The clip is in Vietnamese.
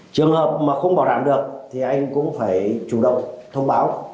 trường hợp mà không bảo đảm được thì anh cũng phải chủ động thông báo